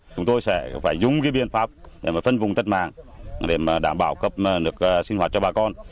chúng tôi sẽ phải dùng cái biện phạm để mà phân vùng tất mạng để mà đảm bảo cấp nước sinh hoạt cho bà con